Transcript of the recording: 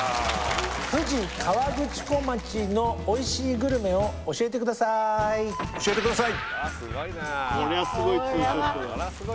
富士河口湖町のおいしいグルメを教えてください教えてください